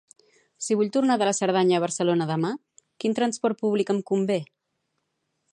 Si vull tornar de la Cerdanya a Barcelona demà, quin transport públic em convé?